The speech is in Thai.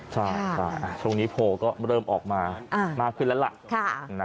ใช่ช่วงนี้โพลก็เริ่มออกมามากขึ้นแล้วล่ะ